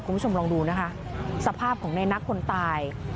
คุณผู้ชมลองดูนะคะสภาพของในนักคนตาย